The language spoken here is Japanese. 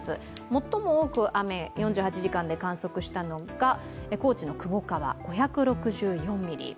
最も多く雨を４８時間で観測したのが高知の窪川、５６４ミリ。